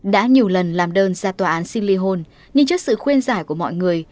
đã nhiều lần làm đơn ra tòa án xin ly hôn nhưng trước sự khuyên giải của mọi người